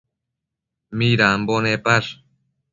Midambo nepash?